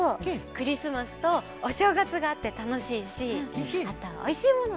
クリスマスとおしょうがつがあってたのしいしあとおいしいもの